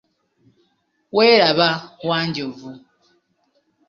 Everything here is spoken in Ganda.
Welaba Wanjovu.